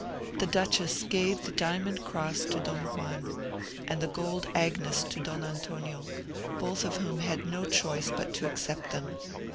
The duchess gave the diamond cross to Don Juan, and the gold agnus to Don Antonio, both of whom had now no choice but to accept them.